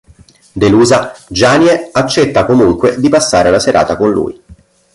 Delusa, Janie accetta comunque di passare la serata con lui.